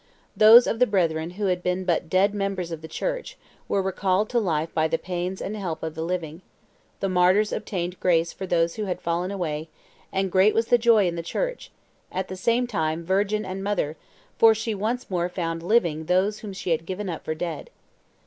Those of the brethren who had been but dead members of the Church, were recalled to life by the pains and help of the living; the martyrs obtained grace for those who had fallen away; and great was the joy in the Church, at the same time virgin and mother, for she once more found living those whom she had given up for dead.